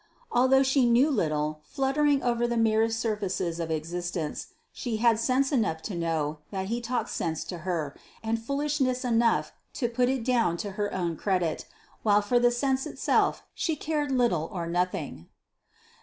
Although she knew little, fluttering over the merest surfaces of existence, she had sense enough to know that he talked sense to her, and foolishness enough to put it down to her own credit, while for the sense itself she cared little or nothing.